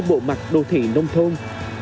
bộ mặt đô thị nông thôn